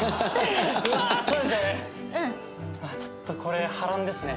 ちょっとこれ波乱ですね。